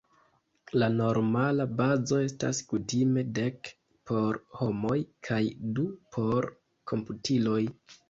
La normala bazo estas kutime dek por homoj kaj du por komputiloj.